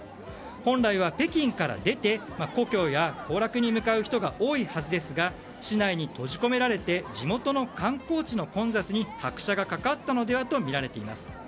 本来は北京から出て故郷や行楽に向かう人が多いはずですが市内に閉じ込められて地元の観光地の混雑に拍車がかかったのではみられています。